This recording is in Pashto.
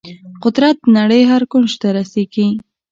قدرت د نړۍ هر کونج ته رسیږي.